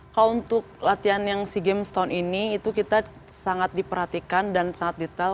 kalau untuk latihan yang sea games tahun ini itu kita sangat diperhatikan dan sangat detail